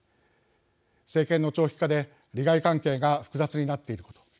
政権の長期化で利害関係が複雑になっていること